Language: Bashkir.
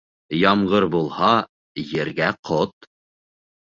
Ямғыр булһа, ергә ҡот.